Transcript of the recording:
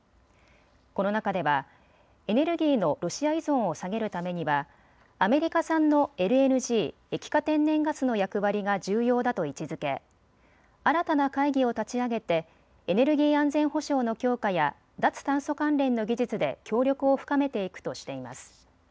この中ではエネルギーのロシア依存を下げるためにはアメリカ産のＬＮＧ・液化天然ガスの役割が重要だと位置づけ、新たな会議を立ち上げてエネルギー安全保障の強化や脱炭素関連の技術で協力を深めていくとしています。